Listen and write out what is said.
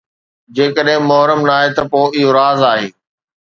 جيڪڏهن محرم ناهي ته پوءِ اهو راز آهي